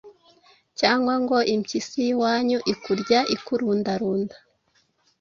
cyangwa ngo “impyisi yiwanyu ikurya ikurundarunda “.